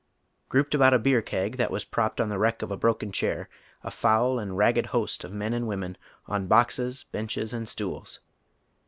Grouped about a beer keg that was propped on the wreck of a broken chair, a foul and I'agged host of men and women, on boxes, benches, and stools.